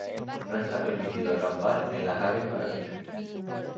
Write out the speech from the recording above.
No está permitido acampar en las áreas para picnic.